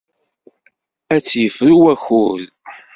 Ad tt-yefru wakud.